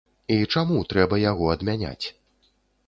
І чаму трэба яго адмяняць?